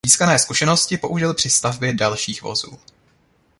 Získané zkušenosti použil při stavbě dalších vozů.